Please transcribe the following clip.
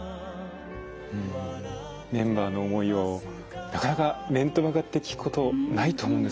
メンバーの思いをなかなか面と向かって聞くことないと思うんですが。